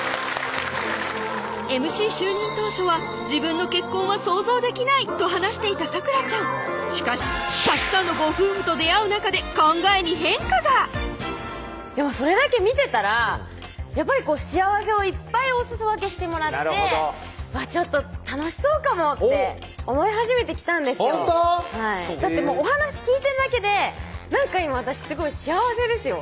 ＭＣ就任当初は「自分の結婚は想像できない」と話していた咲楽ちゃんしかしたくさんのご夫婦と出会う中で考えに変化がでもそれだけ見てたらやっぱりこう幸せをいっぱいおすそ分けしてもらってちょっと楽しそうかもって思い始めてきたんですよだってお話聞いてるだけでなんか今私すごい幸せですよ